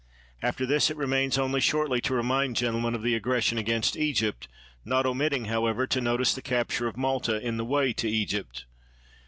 After this, it remains only shortly to remind gentlemen of the aggression against Egypt, not omitting, however, to notice the capture of Malta in the way to Egypt.